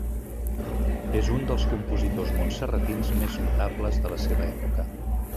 És un dels compositors montserratins més notables de la seva època.